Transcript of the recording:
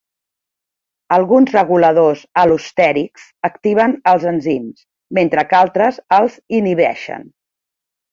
Alguns reguladors al·lostèrics activen els enzims, mentre que altres els inhibeixen.